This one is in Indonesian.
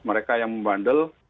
mereka yang membandel